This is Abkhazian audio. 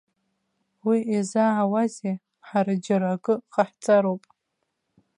Уи иазаауазеи, ҳара џьара акы ҟаҳҵароуп.